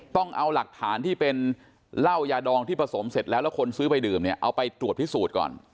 ต้องเอาหลักฐานที่เป็นเหล้ายาดองที่ผสมเสร็จแล้วแล้วคนซื้อไปดื่มเนี่ยเอาไปตรวจพิสูจน์ก่อน